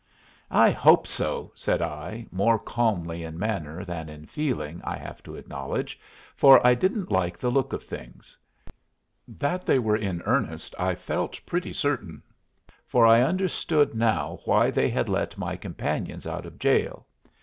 "I hope so," said I, more calmly in manner than in feeling, I have to acknowledge, for I didn't like the look of things. That they were in earnest I felt pretty certain, for I understood now why they had let my companions out of jail.